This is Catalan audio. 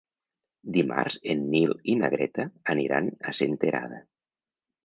Dimarts en Nil i na Greta aniran a Senterada.